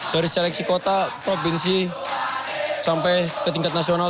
dari seleksi kota provinsi sampai ke tingkat nasional